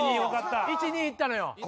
１２いったのよ。